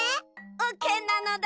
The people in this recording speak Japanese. オーケーなのだ。